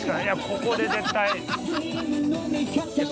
ここで絶対。